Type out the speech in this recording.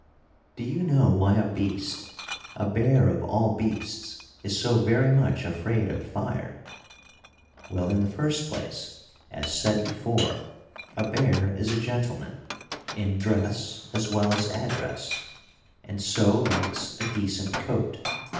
Do you know why a beast, a bear of all beasts, is so very much afraid of fire? Well, in the first place, as said before, a bear is a gentleman, in dress as well as address, and so likes a decent coat.